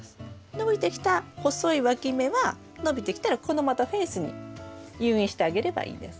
伸びてきた細いわき芽は伸びてきたらこのまたフェンスに誘引してあげればいいです。